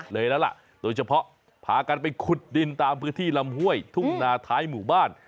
เลยแล้วล่ะโดยเฉพาะพากันไปขุดดินตามพื้นที่ลำห้วยทุ่งนาท้ายหมู่บ้าน